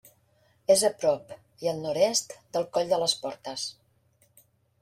És a prop i al nord-est del Coll de les Portes.